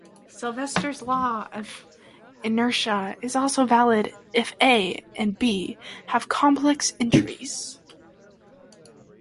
Sylvester's law of inertia is also valid if "A" and "B" have complex entries.